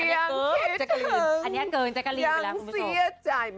ยังเสียใจ